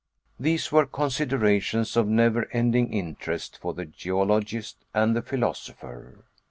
These were considerations of never ending interest for the geologist and the philosopher.